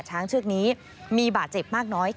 ช้างเชือกนี้มีบาดเจ็บมากน้อย